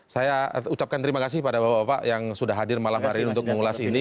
saya ucapkan terima kasih kepada bapak bapak yang sudah hadir malam hari ini untuk mengulas ini